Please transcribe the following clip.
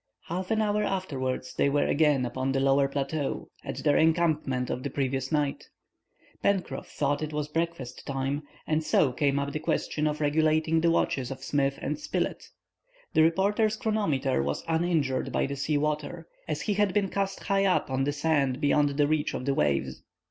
Half an hour afterwards they were again upon the lower plateau, at their encampment of the previous night. Pencroff thought it was breakfast time, and so came up the question of regulating the watches of Smith and Spilett. The reporter's chronometer was uninjured by the sea water, as he had been cast high up on the sand beyond the reach of the waves.